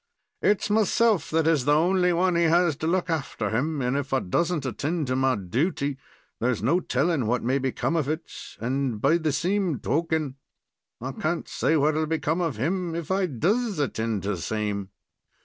"It's myself that is the only one he has to look after him, and if I does n't attend to my dooty, there's no telling what may become of it, and be the same towken, I can't say what'll become of him if I does attend to the same.